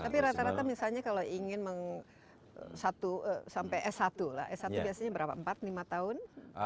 tapi rata rata misalnya kalau ingin satu sampai s satu lah s satu biasanya berapa empat lima tahun